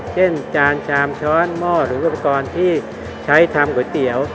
จานชามช้อนหม้อหรืออุปกรณ์ที่ใช้ทำก๋วยเตี๋ยว